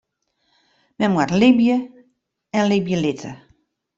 Men moat libje en libje litte.